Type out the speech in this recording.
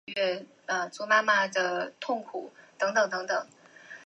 武大附中是武汉大学的附属学校。